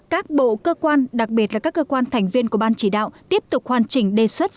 các bộ cơ quan đặc biệt là các cơ quan thành viên của ban chỉ đạo tiếp tục hoàn chỉnh đề xuất